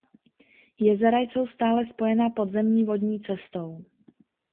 Jezera jsou stále spojena podzemní vodní cestou.